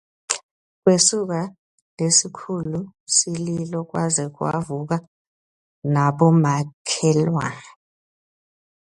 Kwesuka lesikhulu sililo kwaze kwavuka nabomakhelwane.